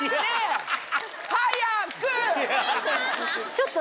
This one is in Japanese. ちょっと。